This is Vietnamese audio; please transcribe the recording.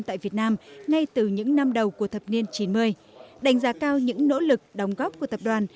tại việt nam ngay từ những năm đầu của thập niên chín mươi đánh giá cao những nỗ lực đóng góp của tập đoàn